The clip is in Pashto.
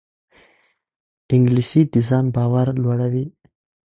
انګلیسي د ځان باور لوړوي